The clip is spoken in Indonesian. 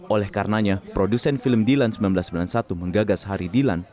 oleh karenanya produsen film dilan seribu sembilan ratus sembilan puluh satu menggagas hari dilan